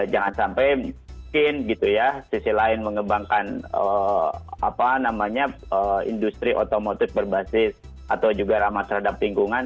jangan sampai mungkin gitu ya sisi lain mengembangkan industri otomotif berbasis atau juga ramah terhadap lingkungan